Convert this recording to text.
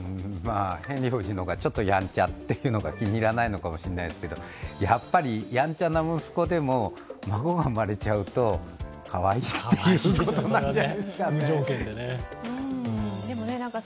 ヘンリー王子の方がちょっとやんちゃというのが気に入らないのかもしれないですけどやっぱりやんちゃな息子でも、孫が生まれちゃうとかわいいってことなんじゃないんですか。